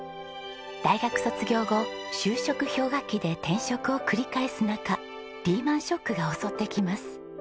大学卒業後就職氷河期で転職を繰り返す中リーマンショックが襲ってきます。